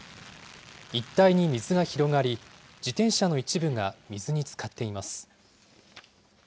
一帯に水が広がり、自転車の一部が水につかっています。